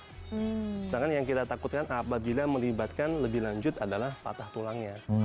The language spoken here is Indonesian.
sedangkan yang kita takutkan apabila melibatkan lebih lanjut adalah patah tulangnya